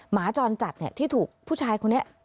หมาจรจัดที่ถูกผู้ชายคนนี้